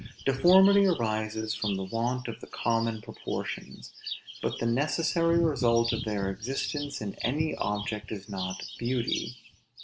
Deformity arises from the want of the common proportions; but the necessary result of their existence in any object is not beauty.